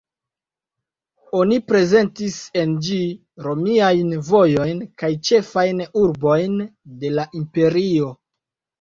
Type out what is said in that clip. Oni prezentis en ĝi romiajn vojojn kaj ĉefajn urbojn de la Imperio.